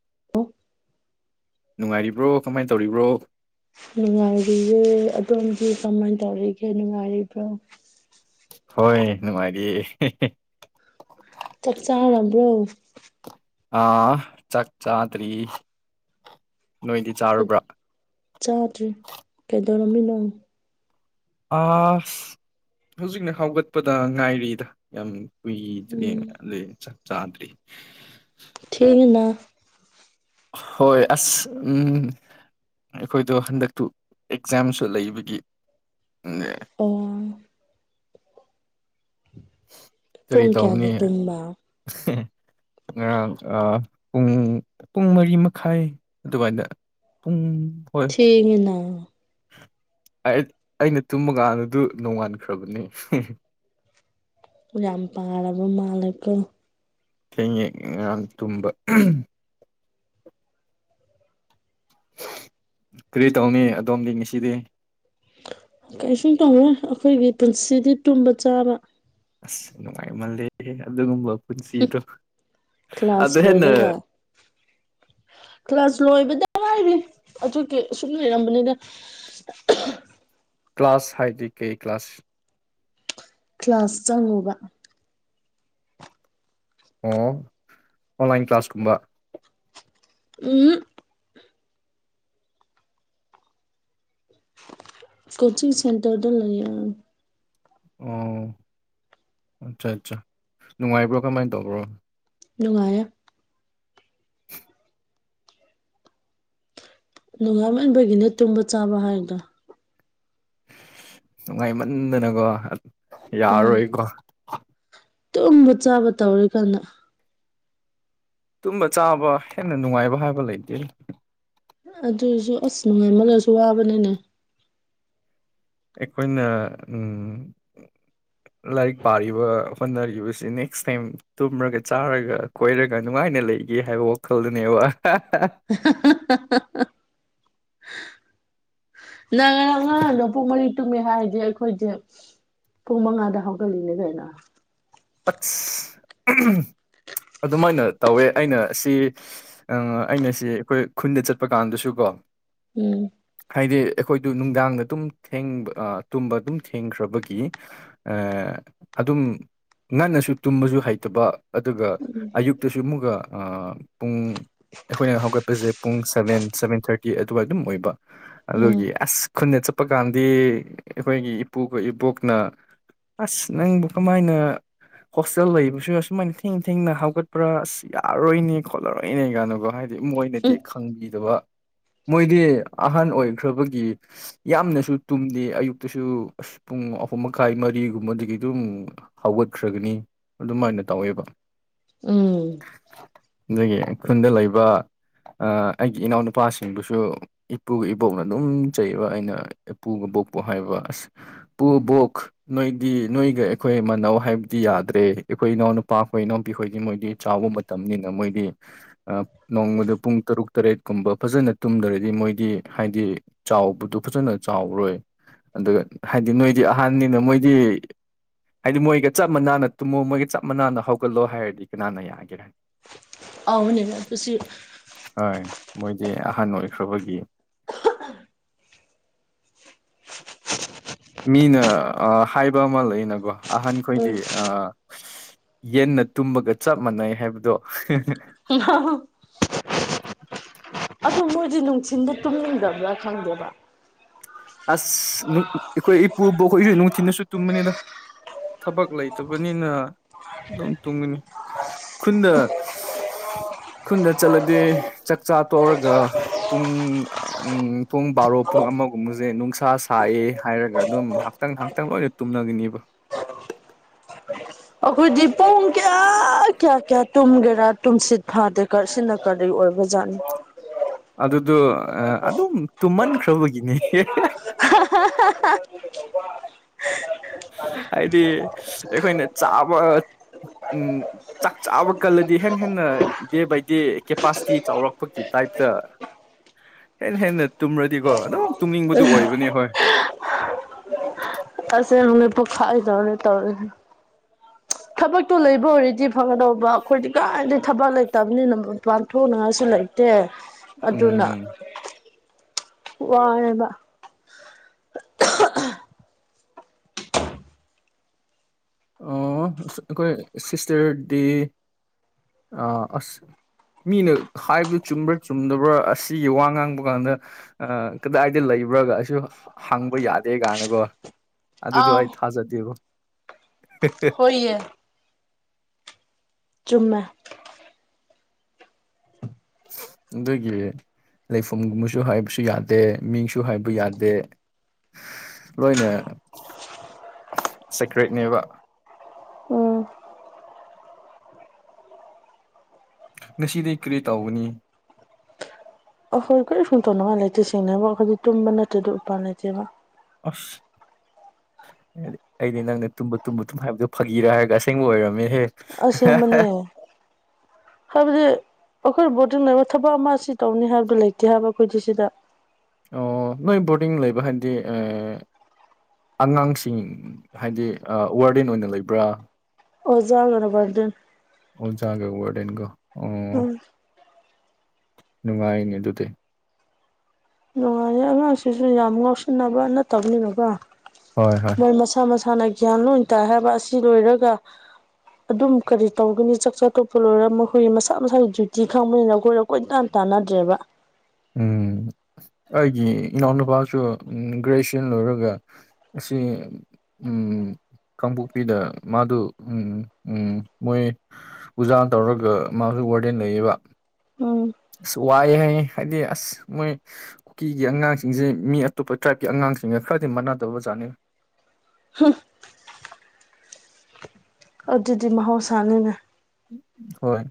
[unintelligible] ꯅꯨꯡꯉꯥꯏꯔꯤꯕ꯭ꯔꯣ ꯀꯃꯥꯏꯟ ꯇꯧꯔꯤꯕ꯭ꯔꯣ ꯅꯨꯡꯉꯥꯏꯔꯤꯌꯦ ꯑꯗꯣꯝꯗꯤ ꯀꯃꯥꯏꯟ ꯇꯧꯔꯤꯒꯦ ꯅꯨꯡꯉꯥꯏꯔꯤꯕ꯭ꯔꯣ ꯍꯣꯏ ꯅꯨꯡꯉꯥꯏꯔꯤꯌꯦ ꯍꯦꯍꯦ ꯆꯛ ꯆꯥꯔꯕ꯭ꯔꯣ ꯑꯥ ꯆꯥꯛ ꯆꯥꯗ꯭ꯔꯤ ꯅꯣꯏꯗꯤ ꯆꯥꯔꯕ꯭ꯔꯥ ꯆꯥꯗ꯭ꯔꯤ ꯀꯩꯗꯧꯔꯝꯃꯤꯅꯣ ꯑꯁ ꯍꯧꯖꯤꯛꯅ ꯍꯧꯒꯠꯄꯗ ꯉꯥꯏꯔꯤꯗ ꯌꯥꯝ ꯀꯨꯏꯗ꯭ꯔꯤꯅ ꯎꯝ ꯑꯗꯨꯏ ꯆꯥꯛ ꯆꯥꯗ꯭ꯔꯤ ꯊꯦꯡꯉꯦꯅ ꯍꯣꯏ ꯑꯁ ꯎꯝ ꯑꯈꯣꯏꯗꯣ ꯍꯟꯗꯛꯇꯨ ꯑꯦꯛꯖꯥꯝꯁꯨ ꯂꯩꯕꯒꯤ ꯑꯣ ꯀꯔꯤ ꯄꯨꯡ ꯇꯧꯅꯤ ꯀꯌꯥꯗ ꯇꯨꯝꯕ ꯉꯔꯥꯡ ꯑꯥ ꯄꯨꯡ ꯄꯨꯡ ꯃꯔꯤ ꯃꯈꯥꯏ ꯑꯗꯨꯋꯥꯏꯗ ꯎꯝ ꯊꯦꯡꯉꯦꯅ ꯑꯩꯠ ꯑꯩꯅ ꯇꯨꯝꯕ ꯀꯥꯟꯗꯗꯨ ꯅꯣꯡꯉꯥꯟꯈ꯭ꯔꯕꯅꯦ ꯌꯥꯝ ꯄꯥꯔꯕ ꯃꯥꯜꯂꯦꯀꯣ ꯊꯦꯡꯉꯦ ꯉꯔꯥꯡ ꯇꯨꯝꯕ ꯑꯍꯝ ꯀꯔꯤ ꯇꯧꯅꯤ ꯑꯗꯣꯝꯗꯤ ꯉꯁꯤꯗꯤ ꯀꯩꯁꯨꯝ ꯇꯧꯔꯣꯏ ꯑꯩꯈꯣꯏꯒꯤ ꯄꯨꯟꯁꯤꯗꯤ ꯇꯨꯝꯕ ꯆꯥꯕ ꯑꯁ ꯅꯨꯡꯉꯥꯏꯃꯜꯂꯦꯍꯦ ꯑꯗꯨꯒꯨꯝꯕ ꯄꯨꯟꯁꯤꯗꯣ ꯀ꯭ꯂꯥꯁ ꯑꯗꯨ ꯍꯦꯟꯅ ꯂꯣꯏꯔꯒ ꯀ꯭ꯂꯥꯁ ꯂꯣꯏꯕꯗ ꯍꯥꯏꯔꯤ ꯑꯗꯨꯒꯤ ꯑꯁꯨꯝ ꯂꯩꯔꯝꯕꯅꯤꯗ ꯀ꯭ꯂꯥꯁ ꯍꯥꯏꯗꯤ ꯀꯩ ꯀ꯭ꯂꯥꯁ ꯀ꯭ꯂꯥꯁ ꯆꯪꯉꯨꯕ ꯑꯣ ꯑꯣꯟꯂꯥꯏꯟ ꯀ꯭ꯂꯥꯁꯀꯨꯝꯕ ꯎꯝꯍꯛ ꯀꯣꯆꯤꯡ ꯁꯦꯟꯇ꯭ꯔꯗ ꯂꯩꯌ‌ꯦ ꯑꯣ ꯑꯠꯆꯥ ꯑꯠꯆꯥ ꯅꯨꯡꯉꯥꯏꯕ꯭ꯔꯣ ꯀꯃꯥꯏ ꯇꯧꯕ꯭ꯔꯣ ꯅꯨꯡꯉꯥꯏꯌꯦ ꯅꯣꯡꯉꯥꯥꯃꯟꯕꯒꯤꯅꯦ ꯇꯨꯝꯕ ꯆꯥꯕ ꯍꯥꯏꯗꯣ ꯅꯨꯡꯉꯥꯏꯃꯟꯗꯅꯀꯣ ꯎꯝ ꯌꯥꯔꯣꯏꯀꯣ ꯇꯨꯝꯕ ꯆꯥꯕ ꯇꯧꯔꯤ ꯀꯥꯟꯗ ꯇꯨꯝꯕ ꯆꯥꯕ ꯍꯦꯟꯅ ꯅꯨꯡꯉꯥꯏꯕ ꯍꯥꯏꯕ ꯂꯩꯇꯦ ꯑꯗꯨꯁꯨ ꯑꯁ ꯅꯨꯡꯉꯥꯏꯃꯜꯂꯁꯨ ꯋꯥꯕꯅꯤꯅꯦ ꯑꯩꯈꯣꯏꯅ ꯎꯃ ꯂꯥꯏꯔꯤꯛ ꯄꯥꯔꯤꯕ ꯍꯣꯠꯅꯔꯤꯕꯁꯤ ꯅꯦꯛꯁ ꯇꯥꯏꯝ ꯇꯨꯝꯔꯒ ꯆꯥꯔꯒ ꯀꯣꯏꯔꯒ ꯅꯨꯡꯉꯥꯏꯅ ꯂꯩꯒꯦ ꯍꯥꯏꯕ ꯋꯥꯈꯜꯗꯨꯅꯦꯕ ꯍꯥꯍꯥ ꯍꯥꯍꯥꯍꯥ ꯅꯪ ꯉꯔꯥꯡ ꯅꯄꯨꯡ ꯃꯔꯤ ꯇꯨꯝꯃ‌ꯦ ꯍꯥꯏꯔꯗꯤ ꯑꯩꯈꯣꯏꯗꯤ ꯄꯨꯡ ꯃꯉꯥꯗ ꯍꯧꯒꯠꯂꯤꯅꯦ ꯀꯩꯅꯣ ꯑꯁ ꯑꯗꯨꯃꯥꯏꯅ ꯇꯧꯋꯦ ꯑꯩꯅ ꯁꯤ ꯑꯩꯅꯁꯤ ꯑꯩꯈꯣꯏ ꯈꯨꯟꯗ ꯆꯠꯄ ꯀꯥꯟꯗꯁꯨ ꯀꯣ ꯎꯝ ꯍꯥꯏꯗꯤ ꯑꯩꯈꯣꯏꯗꯨ ꯅꯨꯡꯗꯥꯡꯗ ꯇꯨꯝ ꯊ‌ꯦꯡꯕ ꯑ ꯇꯨꯝꯕ ꯑꯗꯨꯝ ꯊꯦꯡꯈ꯭ꯔꯕꯒꯤ ꯑ ꯑꯗꯨꯝ ꯉꯟꯅꯁꯨ ꯇꯨꯝꯕꯁꯨ ꯍꯩꯇꯕ ꯑꯗꯨꯒ ꯑꯌꯨꯛꯇꯁꯨ ꯑꯃꯨꯛꯒ ꯄꯨꯡ ꯑꯩꯈꯣꯏꯅ ꯍꯧꯒꯠꯄꯁꯦ ꯄꯨꯡ ꯁꯚꯦꯟ ꯁꯚꯦꯟ ꯊꯥꯔꯇꯤ ꯑꯗꯨꯋꯥꯏ ꯑꯗꯨꯝ ꯑꯣꯏꯕ ꯎꯝ ꯑꯗꯨꯒꯤ ꯑꯁ ꯈꯨꯟꯗ ꯆꯠꯄ ꯀꯥꯟꯗꯤ ꯑꯩꯈꯣꯏꯒꯤ ꯏꯄꯨꯒ ꯏꯕꯣꯛꯅ ꯑꯁ ꯅꯪꯕꯨ ꯀꯃꯥꯏꯅ ꯍꯣꯁꯇꯦꯜ ꯂꯩꯕꯁꯨ ꯑꯁꯨꯃꯥꯏꯅ ꯊꯦꯡ ꯊꯦꯡꯅ ꯍꯧꯒꯠꯄ꯭ꯔꯥ ꯑꯁ ꯌꯥꯔꯣꯏꯅꯦ ꯈꯣꯠꯂꯔꯣꯏꯅꯦ ꯀꯥꯢꯅꯀꯣ ꯍꯥꯏꯗꯤ ꯃꯣꯏꯅꯗꯤ ꯎꯝ ꯈꯪꯕꯤꯗꯕ ꯃꯣꯏꯗꯤ ꯑꯍꯟ ꯑꯣꯏꯈ꯭ꯔꯕꯒꯤ ꯌꯥꯝꯅꯁꯨ ꯇꯨꯝꯗꯦ ꯑꯌꯨꯛꯇꯁꯨ ꯄꯨꯡ ꯑꯍꯨꯝ ꯃꯈꯥꯏ ꯃꯔꯤꯒꯨꯝꯕꯗꯒꯤ ꯑꯗꯨꯝ ꯍꯧꯒꯠ ꯈ꯭ꯔꯒꯅꯤ ꯑꯗꯨꯃꯥꯏꯅ ꯇꯧꯋꯦꯕ ꯎꯝ ꯅ‌ꯣꯏꯒꯤ ꯈꯨꯟꯗ ꯂꯩꯕ ꯑꯩꯒꯤ ꯑ ꯏꯅꯥꯎꯅꯨꯄꯥꯁꯤꯡꯗꯨꯁꯨ ꯏꯄꯨꯒ ꯏꯕꯣꯛꯅ ꯑꯗꯨꯝ ꯆꯩꯕ ꯑꯩꯅ ꯏꯄꯨ ꯏꯕꯣꯛꯄꯨ ꯍꯥꯏꯕ ꯑꯁ ꯄꯨ ꯕꯣꯛ ꯅꯣꯏꯗꯤ ꯅꯣꯏꯒ ꯑꯩꯈꯣꯏ ꯃꯅꯧ ꯍꯥꯏ ꯌꯥꯗ꯭ꯔꯦ ꯑꯩꯈꯣꯏ ꯏꯅꯥꯎ ꯅꯨꯄꯥ ꯈꯣꯏ ꯏꯅꯥꯎꯄꯤꯈꯣꯏꯗꯤ ꯃꯣꯏꯗꯤ ꯆꯥꯎꯕ ꯃꯇꯝꯅꯤꯅ ꯃꯣꯏꯗꯤ ꯅꯣꯡꯃꯗ ꯄꯨꯡ ꯇꯔꯨꯛ ꯇꯔꯦꯠꯀꯨꯝꯕ ꯐꯖꯅ ꯇꯨꯝꯗ꯭ꯔꯗꯤ ꯃꯣꯏꯗꯤ ꯍꯥꯏꯗꯤ ꯆꯥꯎꯕꯗꯨ ꯐꯖꯅ ꯆꯥꯎꯔꯣꯏ ꯑꯗꯨꯒ ꯍꯥꯏꯗꯤ ꯅꯣꯏꯗꯤ ꯑꯍꯟꯅꯤꯅ ꯃꯣꯏꯗꯤ ꯍꯥꯏꯗꯤ ꯃꯣꯏꯒ ꯆꯞ ꯃꯥꯟꯅ ꯇꯨꯝꯃꯣ ꯃꯣꯢꯒ ꯆꯞ ꯃꯥꯟꯅꯅ ꯍꯧꯒꯠꯂꯣ ꯍꯥꯢꯔꯗꯤ ꯀꯅꯥꯅ ꯌꯥꯒꯦꯔꯥ ꯍꯥꯎꯕꯅꯤꯕ ꯑꯗꯨꯁꯨ ꯍꯣꯏ ꯃꯣꯏꯗꯤ ꯑꯍꯟ ꯑꯣꯏꯈ꯭ꯔꯕꯒꯤ ꯃꯤꯅ ꯑ ꯍꯥꯏꯕ ꯑꯃ ꯂꯩꯅꯀꯣ ꯑꯍꯟꯈꯣꯏꯗꯤ ꯑ ꯌꯦꯟꯅ ꯇꯨꯝꯕꯒ ꯆꯞ ꯃꯥꯟꯅꯩ ꯍꯥꯏꯕꯗꯣ [unintelligible] ꯑꯗꯣ ꯃꯣꯏꯗꯤ ꯅꯨꯡꯊꯤꯟꯗ ꯇꯨꯝꯅꯤꯡꯗꯕ꯭ꯔꯥ ꯈꯪꯗꯦꯕ ꯑꯁ ꯅꯨ ꯑꯩꯈꯣꯏ ꯏꯄꯨꯕꯣꯛ ꯍꯣꯏꯖꯨ ꯅꯨꯡꯊꯤꯟꯗꯁꯨ ꯇꯨꯝꯕꯅꯤꯗ ꯊꯕꯛ ꯂꯩꯇꯕꯅꯤꯅ ꯑꯗꯨꯝ ꯇꯨꯝꯒꯅꯤ ꯈꯨꯟꯗ ꯈꯨꯟꯗ ꯆꯠꯂꯗꯤ ꯆꯥꯛ ꯆꯥ ꯇꯣꯛꯔꯒ ꯄꯨꯡ ꯎꯝ ꯄꯨꯡ ꯕꯥꯔꯣ ꯄꯨꯡ ꯑꯃꯒꯨꯝꯕ ꯖꯦ ꯅꯨꯡꯁꯥ ꯁꯥꯏꯌꯦ ꯍꯥꯏꯔꯒ ꯑꯗꯨꯝ ꯉꯥꯍꯥꯛꯇꯪ ꯉꯥꯍꯥꯛꯇꯪ ꯂꯣꯏꯅ ꯇꯨꯝꯅꯒꯅꯤꯕ ꯑꯈꯣꯏꯗꯤ ꯄꯨꯡ ꯀꯌꯥ ꯀꯌꯥ ꯀꯌꯥ ꯇꯨꯨꯝꯒꯦꯔꯥ ꯇꯨꯝꯁꯤꯠ ꯐꯥꯗꯦ ꯀꯣ ꯁꯤꯅ ꯀꯔꯤ ꯑꯣꯏꯕ ꯖꯥꯠꯅꯣ ꯑꯗꯨꯗꯣ ꯑꯗꯨꯝ ꯇꯨꯝꯃꯟꯈ꯭ꯔꯕꯒꯤꯅꯦ [unintelligible] [unintelligible] ꯍꯥꯏꯗꯤ ꯑꯩꯈꯣꯏꯅ ꯆꯥꯕ ꯎꯝ ꯆꯥꯛ ꯆꯥꯕ ꯀꯜꯂꯗꯤ ꯍꯦꯟꯅ ꯍꯦꯟꯅ ꯗꯦ ꯕꯥꯏ ꯗꯦ ꯀꯦꯄꯥꯁꯤꯇꯤ ꯆꯥꯎꯔꯛꯄꯒꯤ ꯇꯥꯏꯞꯇ ꯍꯦꯟꯅ ꯍꯦꯟꯅ ꯇꯨꯝꯔꯗꯤꯀꯣ ꯑꯗꯨꯝ ꯇꯨꯝꯅꯤꯡꯕꯗꯨ ꯑꯣꯏꯕꯅꯦ ꯍꯣꯏ ꯑꯁꯦꯡꯕꯅꯦ ꯄꯨꯈꯥꯏꯒꯗꯧꯔꯦ ꯇꯧꯔꯤꯁꯦ [inaudible] ꯊꯕꯛꯇꯣ ꯂꯩꯕ ꯑꯣꯏꯔꯗꯤ ꯐꯒꯗꯧꯕ ꯑꯩꯈꯣꯢꯗꯤ ꯀꯥꯏꯗꯩ ꯊꯕꯛ ꯂꯩꯇꯕꯅꯤꯅ ꯃꯄꯥꯟ ꯊꯣꯛꯅꯉꯥꯏꯁꯨ ꯂꯩ ꯇꯦ ꯑꯗꯨꯅ ꯎꯝ ꯋꯥꯔꯦꯕ ꯑꯣ ꯑꯩꯈꯣꯏ ꯁꯤꯁꯇꯔꯗꯤ ꯑ ꯑꯁ ꯃꯤꯅ ꯍꯥꯏꯕ ꯆꯨꯝꯕ꯭ꯔꯥ ꯆꯨꯝꯗꯕ꯭ꯔꯥ ꯑꯁꯤꯒꯤ ꯋꯥ ꯉꯥꯡꯕ ꯀꯥꯟꯗ ꯑ ꯀꯗꯥꯏꯗ ꯂꯩꯕ꯭ꯔꯥꯒꯁꯨ ꯍꯪꯕ ꯌꯥꯗꯦ ꯀꯥꯏꯅꯒꯣ ꯑꯗꯨꯗꯣ ꯑꯥꯎ ꯑꯩ ꯊꯥꯖꯗꯦꯕꯣ ꯍꯣꯏꯌꯦ ꯆꯨꯝꯃꯦ ꯑꯗꯨꯒꯤ ꯂꯩꯐꯝꯒꯨꯝꯕꯁꯨ ꯍꯥꯏꯕꯁꯨ ꯌꯥꯗꯦ ꯃꯤꯡꯁꯨ ꯍꯥꯏꯕ ꯌꯥꯗꯦ ꯂꯣꯏꯅ ꯁꯦꯀ꯭ꯔꯦꯠꯅꯦꯕ ꯎꯝ ꯉꯁꯤꯗꯤ ꯀꯔꯤ ꯇꯧꯒꯅꯤ ꯑꯈꯣꯏ ꯀꯔꯤꯁꯨ ꯇꯧꯅꯤꯡꯉꯥꯏ ꯂꯩꯇꯦ ꯁꯦꯡꯅ ꯍꯥꯏꯕ ꯑꯈꯣꯏꯗꯤ ꯇꯨꯝꯕ ꯅꯠꯇ꯭ꯔꯗꯤ ꯎꯄꯥꯏ ꯂꯩꯇꯦꯕ ꯑꯁ ꯑꯩꯗꯤ ꯑꯩꯗꯤ ꯅꯪꯅ ꯇꯨꯝꯕ ꯇꯨꯝꯕ ꯗꯨꯝ ꯍꯥꯏꯕꯗꯣ ꯐꯥꯒꯤꯔ ꯍꯥꯏꯔꯒ ꯑꯁꯦꯡꯕ ꯑꯣꯏꯔꯝꯃꯦꯍꯦ ꯑꯁꯦꯡꯕꯅꯦ ꯍꯥꯏꯕꯗꯤ ꯑꯈꯣꯏ ꯕꯣꯔꯗꯤꯡ ꯂꯩꯕ ꯊꯕꯛ ꯑꯃ ꯁꯤ ꯇꯧꯅꯤ ꯍꯥꯏꯕꯗꯣ ꯂꯩꯇꯦ ꯍꯥꯏꯕ ꯑꯩꯈꯣꯏꯗꯤ ꯁꯤꯗ ꯑꯣ ꯅꯣꯏ ꯕꯣꯔꯗꯤꯡ ꯂꯩꯕ ꯍꯥꯏꯕꯗꯤ ꯑ ꯑꯉꯥꯡꯁꯤꯡ ꯍꯥꯏꯗꯤ ꯑ ꯋꯥꯔꯗꯦꯟ ꯑꯣꯏꯅ ꯂꯩꯕ꯭ꯔꯥ ꯑꯣꯖꯥ [unintelligible] ꯑꯣꯖꯥꯒ ꯋꯥꯔꯗꯦꯟꯒ ꯑꯣ ꯎꯝ ꯅꯨꯡꯉꯥꯏꯅꯤ ꯑꯗꯨꯗꯤ ꯅꯨꯡꯉꯥꯏꯌꯦ ꯑꯉꯥꯡꯁꯤꯡꯁꯨ ꯌꯥꯝ ꯉꯥꯎꯁꯤꯟꯅꯕ ꯅꯠꯇꯕꯅꯤꯅꯀꯣ ꯍꯣꯏ ꯍꯣꯏ ꯃꯣꯏ ꯃꯁꯥ ꯃꯁꯥꯅ ꯒ꯭ꯌꯥꯟ ꯂꯣꯏ ꯇꯥꯏ ꯍꯥꯏꯕ ꯑꯁꯤ ꯂꯣꯏꯔꯒ ꯑꯗꯨꯝ ꯀꯔꯤ ꯇꯧꯒꯅꯤ ꯆꯥꯛ ꯆꯥ ꯇꯣꯛꯄ ꯂꯣꯢꯔ ꯃꯈꯣꯢꯒꯤ ꯃꯁꯥ ꯃꯁꯥꯒꯤ ꯗ꯭ꯌꯨꯇꯤ ꯈꯪꯕꯅꯤꯅꯀꯣ ꯀꯣꯏꯇꯥꯟ ꯇꯥꯟꯅꯗ꯭ꯔꯦꯕ ꯎꯝ ꯑꯩꯒꯤ ꯏꯅꯥꯎꯅꯨꯄꯥꯁꯨ ꯎꯝ ꯒ꯭ꯔꯦꯖꯨꯌꯦꯁꯟ ꯂꯣꯏꯔꯒ ꯑꯁꯤ ꯎꯝ ꯀꯥꯡꯄꯣꯛꯄꯤꯗ ꯃꯥꯗꯨ ꯎꯝ ꯎꯝ ꯃꯣꯏ ꯎꯖꯥꯅ ꯇꯧꯔꯒ ꯃꯥꯖꯨ ꯋꯥꯔꯗꯦꯟ ꯅꯩꯌꯦꯕ ꯎꯝ ꯑꯁ ꯋꯥꯏ ꯍꯥꯏꯌꯦ ꯍꯥꯏꯗꯤ ꯑꯁ ꯃꯣꯏ ꯀꯨꯀꯤꯒꯤ ꯑꯉꯥꯡꯁꯤꯡꯖꯦ ꯃꯤ ꯑꯇꯣꯞꯄ ꯇ꯭ꯔꯥꯏꯞꯀꯤ ꯑꯉꯥꯡꯁꯤꯡꯒ ꯈꯔꯗꯤ ꯃꯥꯟꯅꯗꯕꯖꯥꯠꯅꯤ ꯍꯨꯝꯐ ꯑꯗꯨꯗꯤ ꯃꯍꯧꯁꯥꯅꯤꯅꯦ ꯍꯣꯏ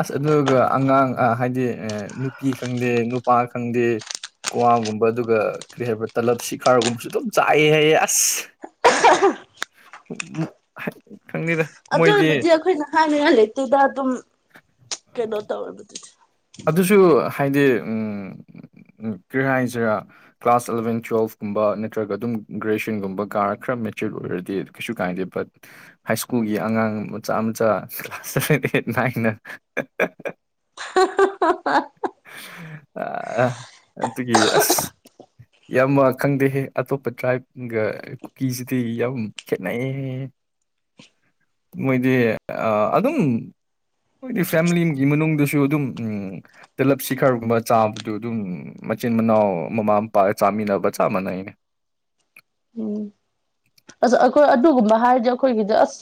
ꯑꯁ ꯑꯗꯨꯒ ꯑꯉꯥꯡ ꯑ ꯍꯥꯏꯗꯤ ꯑ ꯅꯨꯄꯤ ꯈꯪꯗꯦ ꯅꯨꯄꯥ ꯈꯪꯗꯦ ꯀ꯭ꯋꯥꯒꯨꯝꯕ ꯑꯗꯨꯒ ꯀꯔꯤ ꯍꯥꯏꯕ ꯇꯂꯞ ꯁꯤꯈꯥꯔꯒꯨꯝꯕꯁꯨ ꯑꯗꯨꯝ ꯆꯥꯏꯌꯦ ꯍꯥꯏꯌꯦ ꯑꯁ ꯎꯝ ꯍꯥꯏꯠ ꯈꯪꯗꯦꯗ ꯃꯣꯏꯗꯤ ꯑꯗꯨꯗꯤ ꯑꯈꯣꯏꯅ ꯍꯥꯏꯅꯤꯡꯉꯥꯏ ꯂꯩꯇꯦꯗ ꯑꯗꯨꯝ ꯀꯩꯅꯣ ꯇꯧꯔꯕꯨꯗꯤ ꯑꯗꯨꯁꯨ ꯍꯥꯏꯗꯤ ꯎꯝ ꯀ꯭ꯔꯤꯍꯥꯏꯁꯤꯔꯥ ꯀ꯭ꯂꯥꯁ ꯑꯦꯂꯚꯦꯟ ꯇꯨꯋꯦꯜꯐꯀꯨꯝꯕ ꯅꯠꯇ꯭ꯔꯒ ꯑꯗꯨꯝ ꯒ꯭ꯔꯦꯖꯨꯋꯦꯁꯟꯒꯨꯝꯕ ꯀꯥꯔ ꯈꯔ ꯃꯦꯆ꯭ꯌꯣꯔ ꯑꯣꯏꯔꯗꯤ ꯀꯩꯁꯨ ꯀꯥꯏꯗꯦ ꯕꯠ ꯍꯥꯏ ꯁ꯭ꯀꯨꯜꯒꯤ ꯑꯉꯥꯡ ꯃꯆꯥ ꯃꯆꯥ ꯀ꯭ꯂꯥꯁ ꯁꯚꯦꯟ ꯑꯥꯏꯠ ꯅꯥꯏꯟꯅ [unintelligible] ꯍꯥꯍꯥꯍꯥꯍꯥ ꯑꯥ ꯑꯥ ꯑꯗꯨꯒꯤ ꯑꯁ ꯏꯌꯥꯝꯕ ꯈꯪꯗꯦꯍꯦ ꯑꯇꯣꯞꯄ ꯇ꯭ꯔꯥꯏꯞꯒ ꯀꯨ ꯀꯨꯀꯤꯁꯤꯗꯤ ꯌꯥꯝ ꯈꯦꯠꯅꯩꯌꯦ ꯍꯥꯏꯌꯦ ꯃꯣꯏꯗꯤ ꯑꯥ ꯑꯗꯨꯝ ꯃꯣꯏꯗꯤ ꯐꯦꯃꯤꯂꯤꯝꯒꯤ ꯃꯅꯨꯡꯗꯁꯨ ꯑꯗꯨꯝ ꯎꯝ ꯇꯂꯞꯁꯤꯈꯥꯔꯒꯨꯝꯕ ꯆꯥꯕꯗꯨ ꯑꯗꯨꯝ ꯃꯆꯤꯟ ꯃꯅꯥꯎ ꯃꯃꯥ ꯃꯄꯥꯒ ꯆꯥꯃꯤꯟꯅꯕ ꯆꯥꯞ ꯃꯥꯟꯅꯩꯅꯦ ꯎꯝ ꯑꯁ ꯑꯈꯣꯏ ꯑꯗꯨꯒꯨꯝꯕ ꯍꯥꯏꯔꯗꯤ ꯑꯈꯣꯏꯒꯤꯗ ꯑꯁ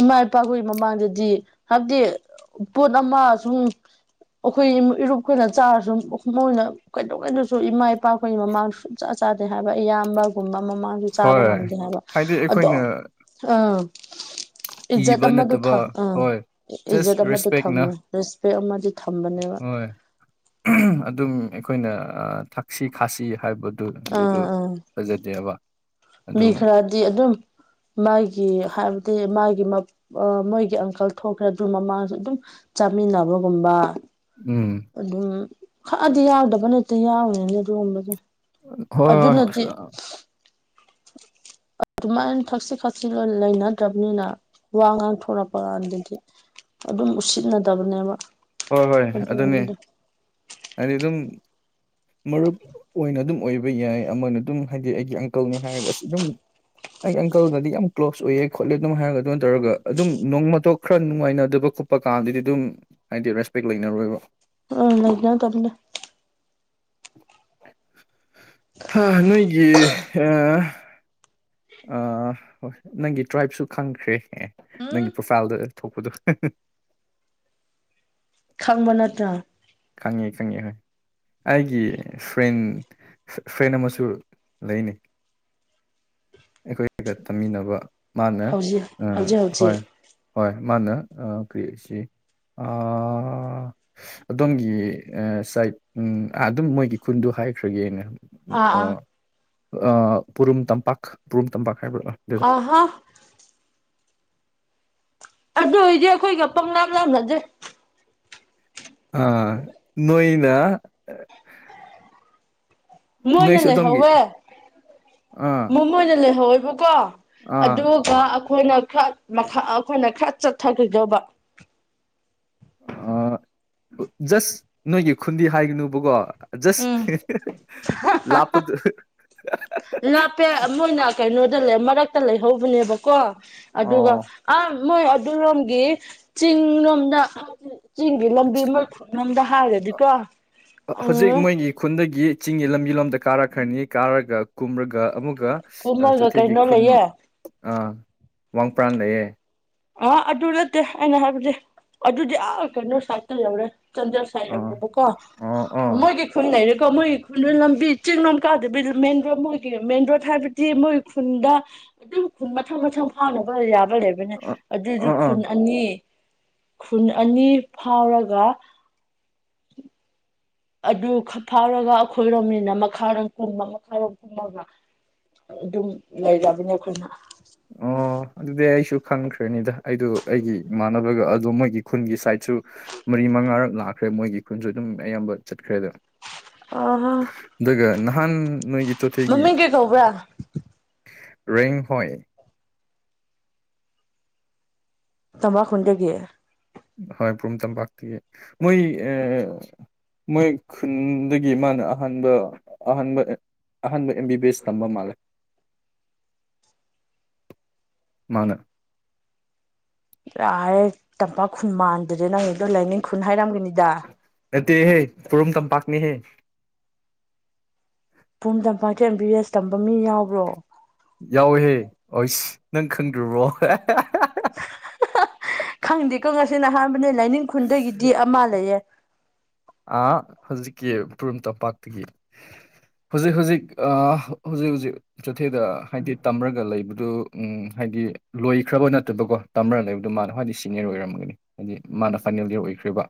ꯏꯃꯥ ꯏꯄꯥꯈꯣꯏ ꯃꯃꯥꯡꯗꯗꯤ ꯍꯥꯏꯕꯗꯤ ꯄꯣꯠ ꯑꯃ ꯁꯨꯝ ꯑꯈꯣꯏ ꯏꯃꯨ ꯏꯔꯨꯞꯈꯣꯏꯅ ꯆꯥꯔꯁꯨ ꯃꯣꯏꯅ ꯀꯩꯗꯧꯉꯩꯗꯁꯨ ꯏꯃꯥ ꯏꯄꯥ ꯈꯣꯏ ꯃꯃꯥꯡꯗꯁꯨ ꯁꯨꯡꯆꯥ ꯆꯥꯗꯦ ꯍꯥꯏꯕ ꯏꯌꯥꯝꯕꯒꯨꯝꯕ ꯃꯃꯥꯡꯗ ꯆꯥꯕ ꯍꯣꯏ ꯉꯝꯗꯦ ꯍꯥꯏꯕ ꯍꯥꯏꯗꯤ ꯑꯗꯣ ꯑꯩꯈꯣꯏꯅ ꯑꯥ ꯏꯖꯠ ꯀꯤꯕ ꯑꯃꯗꯣ ꯅꯠꯇꯕ ꯊ ꯑꯥ ꯍꯣꯏ ꯏ ꯏꯖꯠ ꯖꯁ ꯑꯃꯗꯤ ꯔꯦꯁꯄꯦꯛꯅ ꯊꯝꯃꯣ ꯔꯦꯁꯄꯦꯛ ꯑꯃꯗꯤ ꯊꯝꯕꯅꯦꯕ ꯍꯣꯏ [unintelligible] ꯑꯗꯨꯝ ꯑꯩꯈꯣꯏꯅ ꯑ ꯊꯛꯁꯤ ꯈꯥꯁꯤ ꯍꯥꯏꯕ ꯑꯗꯨ ꯃꯗꯨ ꯑꯥ ꯑꯥ ꯐꯖꯗꯦꯑꯕ ꯃꯤ ꯈꯔꯗꯤ ꯑꯗꯨꯝ ꯃꯥꯒꯤ ꯍꯥꯏꯕꯗꯤ ꯃꯥꯒꯤ ꯃꯞ ꯑ ꯃꯣꯏꯒꯤ ꯑꯪꯀꯜ ꯊꯣꯛꯔꯗꯤ ꯃꯃꯥꯡꯁꯨ ꯑꯗꯨꯝ ꯆꯥꯃꯤꯟꯅꯕꯒꯨꯝꯕ ꯎꯝ ꯑꯗꯨꯝ ꯈꯛꯑꯗꯤ ꯌꯥꯎꯗꯕ ꯅꯠꯇꯦ ꯌꯥꯎꯔꯤꯅꯦ ꯑꯗꯨꯒꯨꯝꯕꯗꯣ ꯑ ꯍꯣꯏ ꯍꯣꯏ ꯑꯁꯑꯌꯥꯝ ꯑꯗꯨꯃꯥꯏꯅ ꯊꯛꯁꯤ ꯈꯥꯁꯤ ꯂꯣꯏ ꯂꯩꯅꯗ꯭ꯔꯕꯅꯤꯅ ꯋꯥ ꯉꯥꯡꯊꯣꯔꯛꯄ ꯀꯥꯟꯗꯗꯤ ꯑꯗꯨꯝ ꯎꯁꯤꯠꯅꯗꯕꯅꯦꯕ ꯍꯣꯏ ꯍꯣꯏ ꯑꯗꯨꯅꯦ ꯑꯗꯨꯒꯨꯝꯕꯗꯣ ꯍꯥꯏꯗꯤ ꯑꯗꯨꯝ ꯃꯔꯨꯞ ꯑꯣꯏꯅ ꯑꯗꯨꯝ ꯑꯣꯏꯕ ꯌꯥꯏ ꯑꯃꯅ ꯑꯗꯨꯝ ꯍꯥꯏꯗꯤ ꯑꯩꯒꯤ ꯑꯪꯀꯜꯅꯤ ꯍꯥꯏꯔꯒ ꯑꯗꯨꯝ ꯑꯩ ꯑꯪꯀꯜꯒꯗꯤ ꯌꯥꯝ ꯀ꯭ꯂꯣꯖ ꯑꯣꯏꯌꯦ ꯈꯣꯠꯂꯦ ꯑꯗꯨꯝ ꯍꯥꯏꯔꯒ ꯑꯗꯨꯃꯥꯏꯟꯅ ꯇꯧꯔꯒ ꯑꯗꯨꯝ ꯅꯣꯡꯃꯇꯣꯛ ꯈꯔ ꯅꯨꯡꯉꯥꯏꯅꯗꯕ ꯈꯣꯠ ꯄꯥ ꯀꯥꯟꯗꯗꯤ ꯑꯗꯨꯝ ꯍꯥꯏꯗꯤ ꯔꯦꯁꯄꯦꯛ ꯂꯩꯅꯔꯣꯏꯕ ꯑꯥ ꯂꯩꯅꯗꯕꯅꯦ ꯍꯥ ꯅꯣꯏꯒꯤ ꯑꯥ ꯑꯥ ꯍꯣꯏ ꯅꯪꯒꯤ ꯇ꯭ꯔꯥꯏꯞꯁꯨ ꯈꯪꯈ꯭ꯔꯦ ꯑꯦ ꯎꯝ ꯅꯪꯒꯤ ꯄ꯭ꯔꯣꯐꯥꯏꯜꯗ ꯊꯣꯛꯄꯗꯣ ꯈꯪꯕ ꯅꯠꯇ꯭ꯔꯥ ꯈꯪꯉꯦ ꯈꯪꯉꯦ ꯑꯩꯒꯤ ꯐ꯭ꯔꯦꯟ ꯐ꯭ꯔꯦꯟ ꯑꯃꯁꯨ ꯂꯩꯅꯦ ꯑꯩꯈꯣꯏꯒ ꯇꯝꯃꯤꯟꯅꯕ ꯃꯥꯅ ꯍꯧꯖꯤꯛ ꯑꯥ ꯍꯧꯖꯤꯛ ꯍꯣꯏ ꯍꯧꯖꯤꯛ ꯍꯣꯏ ꯃꯥꯅ ꯀꯔꯤ ꯁꯤ ꯑꯥ ꯑꯗꯣꯝꯒꯤ ꯁꯥꯏꯠ ꯎꯝ ꯑꯥ ꯑꯗꯨꯝ ꯃꯣꯏꯒꯤ ꯈꯨꯟꯗꯨ ꯍꯥꯏꯈ꯭ꯔꯒꯦꯅ ꯑꯥ ꯄꯨꯔꯨꯝ ꯇꯝꯄꯥꯛ ꯄꯨꯔꯨꯝ ꯇꯝꯄꯥꯛ ꯍꯥꯏꯕ꯭ꯔꯥꯥ ꯑꯥꯍꯥ ꯑꯗꯨ ꯑꯣꯏꯗꯤ ꯑꯩꯈꯣꯏꯒ ꯄꯪꯅꯥꯞ ꯂꯥꯞꯅꯗꯦ ꯑꯥ ꯅꯣꯏꯅ ꯃꯣꯏꯅ ꯅꯣꯏꯁꯨ ꯑꯗꯣꯝꯒꯤ ꯂꯩꯍꯧꯋꯦ ꯑꯥ ꯃꯣ ꯃꯣꯏꯅ ꯂꯩꯍꯧꯋꯦꯕꯀꯣ ꯑꯥ ꯑꯗꯨ ꯒ ꯑꯩꯈꯣꯏꯅ ꯈꯔ ꯃꯈꯥ ꯑꯩꯈꯣꯏꯅ ꯈꯔ ꯆꯠꯊꯈꯤꯗꯧꯕ ꯑꯥ ꯖꯁ ꯅꯣꯏꯒꯤ ꯈꯨꯟꯗꯤ ꯍꯥꯏꯒꯅꯨꯕꯀꯣ ꯖꯁ ꯍꯦꯍꯦ ꯂꯥꯞꯄꯗꯣ ꯍꯥꯍꯥ ꯂꯥꯞꯄꯦ ꯃꯣꯏꯅ ꯀꯩꯅꯣꯗ ꯂꯩ ꯃꯔꯛꯇ ꯂꯩꯍꯧꯕꯅꯦꯕꯀꯣ ꯑꯗꯨꯒ ꯑꯣ ꯑꯥ ꯃꯣꯏ ꯑꯗꯨꯔꯣꯝꯒꯤ ꯆꯤꯡ ꯂꯣꯝꯗ ꯆꯤꯡꯒꯤ ꯂꯝꯕꯤ ꯑꯃ [unintelligible] ꯍꯥꯏꯔꯗꯤꯀꯣ ꯍꯧꯖꯤꯛ ꯎꯝ ꯃꯣꯏꯒꯤ ꯈꯨꯟꯗꯒꯤ ꯆꯤꯡꯒꯤ ꯂꯝꯕꯤ ꯂꯣꯝꯗ ꯀꯥꯔꯛꯈ꯭ꯔꯅꯤ ꯀꯥꯔꯒ ꯀꯨꯝꯔꯒ ꯑꯃꯨꯛꯀ ꯀꯨꯝꯃꯒ ꯆꯨꯊꯦꯛꯒꯤ ꯀꯩꯅꯣ ꯈꯨꯟ ꯂꯩꯌꯦ ꯑꯥ ꯋꯥꯡꯄ꯭ꯔꯥꯟ ꯂꯩꯌꯦ ꯑꯥ ꯑꯗꯨ ꯅꯠꯇꯦ ꯑꯩꯅ ꯍꯥꯏꯕꯗꯤ ꯑꯗꯨꯗꯤ ꯑꯥ ꯀꯩꯅꯣ ꯁꯥꯠꯇ ꯌꯧꯔꯦ ꯆꯥꯟꯗꯦꯜ ꯑꯥ ꯁꯥꯏꯠꯔꯣꯝꯅꯦꯕꯀꯣ ꯑꯣ ꯑꯣ ꯃꯣꯏꯒꯤ ꯈꯨꯟ ꯂꯩꯔꯦꯀꯣ ꯃꯣꯏꯒꯤ ꯈꯨꯜꯗꯨ ꯂꯝꯕꯤ ꯆꯤꯡꯂꯣꯝ ꯀꯥꯗꯕꯤꯗ ꯃꯦꯟ ꯔꯣꯗ ꯃꯣꯏꯒꯤ ꯃꯦꯟ ꯔꯣꯗ ꯍꯥꯏꯕꯗꯤ ꯃꯣꯏꯒꯤ ꯈꯨꯟꯗ ꯑꯗꯨꯝ ꯈꯨꯟ ꯃꯊꯪ ꯃꯊꯪ ꯐꯥꯎꯅ ꯌꯥꯕ ꯂꯩꯕꯅꯦ ꯑ ꯑꯗꯨꯏꯖꯨ ꯑꯥ ꯑꯥ ꯈꯨꯟ ꯑꯅꯤ ꯈꯨꯟ ꯑꯅꯤ ꯐꯥꯎꯔꯒ ꯑꯗꯨ ꯐꯥꯎꯔꯒ ꯑꯩꯈꯣꯏꯔꯣꯝꯅꯤꯅ ꯃꯈꯥꯔꯣꯝ ꯀꯨꯝꯕ ꯃꯈꯥꯔꯣꯝ ꯀꯨꯝꯃꯒ ꯑꯗꯨꯝ ꯂꯩꯔꯕꯅꯦ ꯑꯩꯈꯣꯏꯅ ꯑꯣ ꯑꯗꯨꯗꯤ ꯑꯩꯁꯨ ꯈꯪꯈ꯭ꯔꯅꯤꯗ ꯑꯩꯗꯣ ꯑꯩꯒꯤ ꯏꯃꯥꯟꯅꯕꯒ ꯑꯗꯨꯣ ꯃꯣꯏꯒꯤ ꯈꯨꯟꯒꯤ ꯁꯥꯏꯠꯁꯨ ꯃꯔꯤ ꯃꯉꯥꯔꯛ ꯂꯥꯛꯈ꯭ꯔꯦ ꯃꯣꯏꯒꯤ ꯈꯨꯟꯗꯨ ꯑꯗꯨꯝ ꯑꯌꯥꯝꯕ ꯆꯠꯈ꯭ꯔꯦꯗ ꯑꯥꯍꯥ ꯑꯗꯨꯒ ꯅꯍꯥꯟ ꯅꯣꯏꯒꯤ ꯆꯣꯊꯦꯒꯤ ꯀꯩ ꯀꯧꯕ꯭ꯔꯥ ꯔꯦꯡ ꯍꯣꯏ ꯇꯝꯕ ꯈꯨꯟꯗꯒꯤ ꯍꯣꯏ ꯄ꯭ꯔꯨꯇꯝ ꯄꯥꯛꯇ ꯃꯣꯏ ꯑꯥ ꯃꯣꯏ ꯈꯨꯟꯗꯒꯤ ꯃꯥꯅ ꯑꯍꯥꯟꯕ ꯑꯍꯥꯟꯕ ꯑꯍꯥꯟꯕ ꯑꯦꯝ ꯕꯤ ꯕꯤ ꯑꯦꯁ ꯇꯝꯕ ꯃꯥꯜꯂꯦ ꯃꯥꯅ ꯌꯥꯔꯦ ꯇꯝꯄꯥꯛ ꯈꯨꯟ ꯃꯥꯟꯗ꯭ꯔꯦ ꯅꯪꯒꯤꯗꯣ ꯂꯥꯏꯅꯤꯡ ꯈꯨꯟ ꯍꯥꯏꯔꯝꯒꯅꯤꯗ ꯅꯠꯇꯦꯍꯦ ꯄꯨꯔꯨꯝ ꯇꯝꯄꯥꯛꯅꯦꯍꯦ ꯄꯨꯝ ꯇꯝꯄꯥꯛ ꯊꯦ ꯕꯤ ꯕꯤ ꯑꯦꯁ ꯇꯝꯕ ꯃꯤ ꯌꯥꯎꯕ꯭ꯔꯣ ꯌꯥꯎꯋꯦꯍꯦ ꯑꯣꯏꯁ ꯅꯪ ꯈꯪꯗ꯭ꯔꯣꯕ꯭ꯔꯣ ꯈꯪꯗꯦꯀꯣ ꯉꯁꯤꯅ ꯑꯍꯥꯟꯕꯅꯦ ꯂꯥꯏꯅꯤꯡ ꯈꯨꯟꯗꯒꯤꯗꯤ ꯑꯃꯥ ꯂꯩꯌꯦ ꯑꯥ ꯍꯧꯖꯤꯛꯀꯤ ꯄꯨꯔꯝ ꯇꯝꯄꯥꯛꯇꯒꯤ ꯍꯨꯖꯤꯛ ꯍꯨꯖꯤꯛ ꯑꯥ ꯍꯨꯖꯤꯛ ꯍꯨꯖꯤꯛ ꯆꯣꯊꯦꯗ ꯍꯥꯏꯗꯤ ꯇꯝꯔꯒ ꯂꯩꯕꯗꯨ ꯎꯝ ꯍꯥꯏꯗꯤ ꯂꯣꯏꯈ꯭ꯔꯕ ꯅꯠꯇ꯭ꯔ ꯇꯧꯕ ꯇꯝꯔ ꯂꯩꯕꯗꯣ ꯃꯥꯅ ꯃꯥꯗꯤ ꯁꯤꯅ꯭ꯌꯔ ꯑꯣꯏꯔꯝꯒꯅꯤ ꯍꯥꯏꯗꯤ ꯃꯥꯅ ꯐꯥꯏꯅꯦꯜ ꯏꯌꯔ ꯑꯣꯏꯈ꯭ꯔꯦꯕ